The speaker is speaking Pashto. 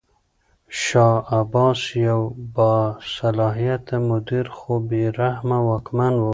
شاه عباس یو باصلاحیته مدیر خو بې رحمه واکمن و.